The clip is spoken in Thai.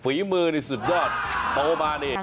ฝีมือนี่สุดยอดโตมานี่